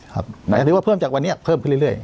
หมายถึงว่าเพิ่มจากวันนี้เพิ่มขึ้นเรื่อย